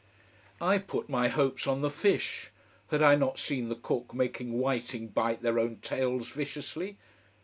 I put my hopes on the fish. Had I not seen the cook making whiting bite their own tails viciously?